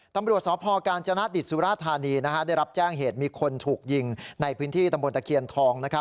ตำรวจสพกาญจนดิตสุราธานีได้รับแจ้งเหตุมีคนถูกยิงในพื้นที่ตำบลตะเคียนทอง